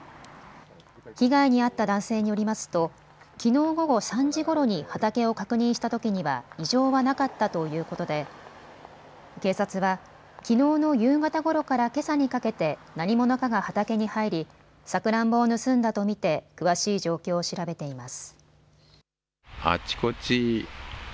被害に遭った男性によりますときのう午後３時ごろに畑を確認したときには異常はなかったということで警察はきのうの夕方ごろからけさにかけて、何者かが畑に入りさくらんぼを盗んだと見て詳しい状況を調べています。